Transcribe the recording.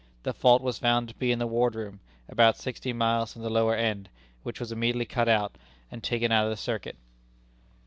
The fault was found to be in the ward room, about sixty miles from the lower end, which was immediately cut out, and taken out of the circuit."